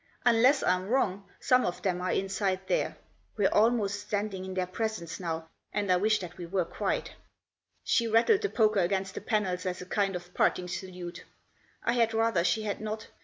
Unless I'm wrong, some of them are inside there; we're almost standing in their presence now, and I wish that we were quite." She rattled the poker against the panels as a kind of parting salute. I had rather she had not.